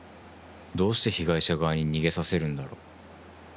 どうして被害者側に逃げさせるんだろ。